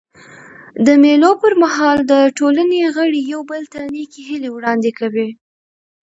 د مېلو پر مهال د ټولني غړي یو بل ته نېکي هیلي وړاندي کوي.